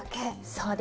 そうです。